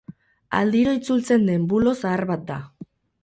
Aldiro itzultzen den bulo zahar bat da.